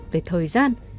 về thời gian